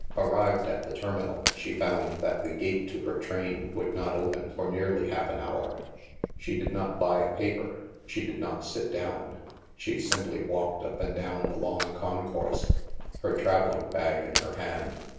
Arrived at the terminal, she found that the gate to her train would not open for nearly half an hour. She did not buy a paper, she did not sit down. She simply walked up and down the long concourse, her traveling bag in her hand.